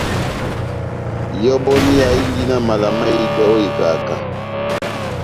Ihɔbɔniya indi na mala mahitɛ ó ikaká.